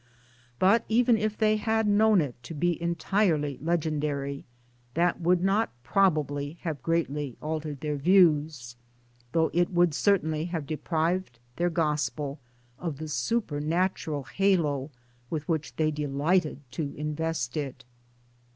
But even if they had known it to be entirely legendary, that would not probably have greatly altered their views though it would cer tainly have deprived their gospel of the supernatural halo with which 1 they delighted' to invest it.